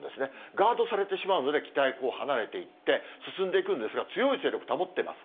ガードされてしまうので、北へ離れていって、進んでいくんですが、強い勢力保ってます。